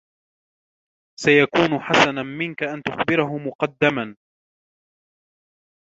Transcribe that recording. سيكون حسنًا منك أن تخبره مقدمًا.